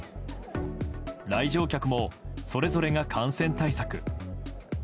来場客もそれぞれが感染対策。